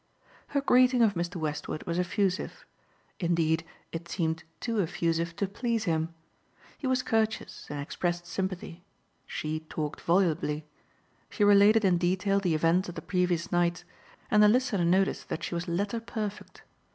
Her greeting of Mr. Westward was effusive. Indeed it seemed too effusive to please him. He was courteous and expressed sympathy. She talked volubly. She related in detail the events of the previous night and the listener noticed that she was letter perfect.